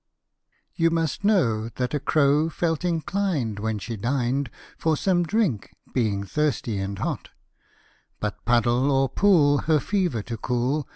You must know, that a crow Felt inclin'd, when she'd dined, For some drink, being thirsty and hot , But puddle or pool, her fever to cool.